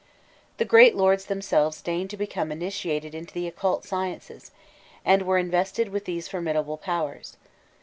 The great lords themselves deigned to become initiated into the occult sciences, and were invested with these formidable powers.